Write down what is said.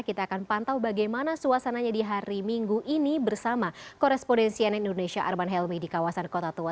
kita akan pantau bagaimana suasananya di hari minggu ini bersama korespondensi ann indonesia arman helmi di kawasan kota tua